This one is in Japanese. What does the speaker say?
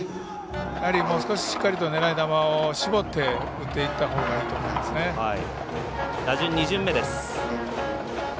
やはりもう少ししっかりと狙い球を絞って、打っていったほうがいいと思います。